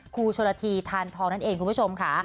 ครูชนละทีทานทองนั่นเองคุณผู้ชมค่ะ